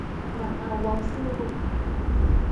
หนักเอาเบาสู้